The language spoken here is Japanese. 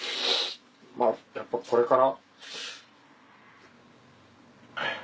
まぁやっぱこれから。